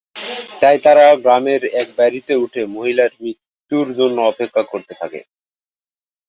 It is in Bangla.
তাই তারা গ্রামের এক বাড়িতে উঠে মহিলার মৃত্যুর জন্য অপেক্ষা করতে থাকে।